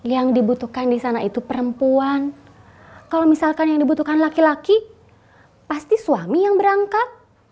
yang dibutuhkan di sana itu perempuan kalau misalkan yang dibutuhkan laki laki pasti suami yang berangkat